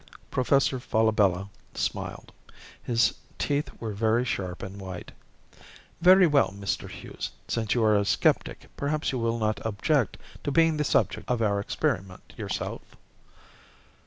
Professor Falabella smiled. His teeth were very sharp and white. "Very well, Mr. Hughes, since you are a skeptic, perhaps you will not object to being the subject of our experiment yourself?"